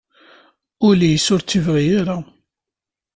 Ul-is ur tt-ibɣi ara.